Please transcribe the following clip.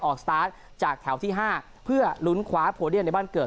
สตาร์ทจากแถวที่๕เพื่อลุ้นคว้าโพเดียนในบ้านเกิด